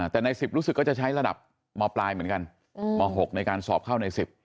แต่ใน๑๐รู้สึกก็จะใช้ระดับมปลายเหมือนกันม๖ในการสอบเข้าใน๑๐